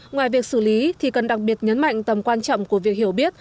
ngoài việc xử lý thì cần đặc biệt nhấn mạnh tầm quan trọng của việc hiểu biết